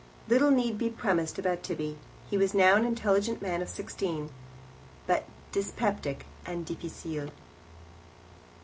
Little need be premised about Tibby. He was now an intelligent man of sixteen, but dyspeptic and difficile.